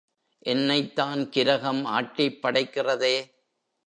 என்னைத் தான் கிரகம் ஆட்டிப் படைக்கிறதே.